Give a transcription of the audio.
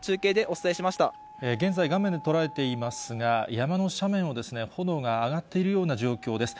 現在、画面で捉えていますが、山の斜面をですね、炎が上がっているような状況です。